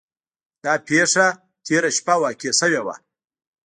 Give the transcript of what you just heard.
دا پیښه تیره شپه واقع شوې وه.